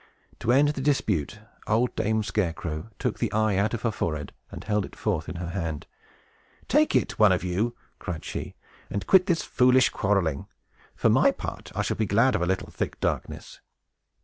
To end the dispute, old Dame Scarecrow took the eye out of her forehead, and held it forth in her hand. "Take it, one of you," cried she, "and quit this foolish quarreling. For my part, I shall be glad of a little thick darkness.